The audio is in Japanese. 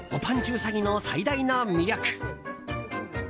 うさぎの最大の魅力！